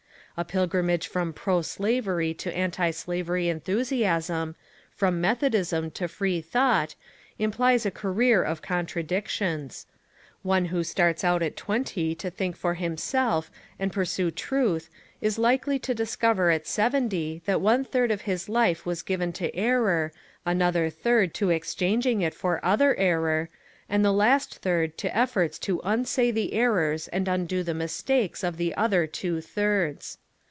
A pilgrimage from proslavery to antislavery enthusiasm, from Methodism to Freethought, implies a career of contradictions. One who starts out at twenty to think for himself and pursue truth is likely to discover at seventy that one third of his life was given to error, another third to exchanging it for other error, and the last third to efforts to unsay the errors and undo the mistakes of the other two thirds.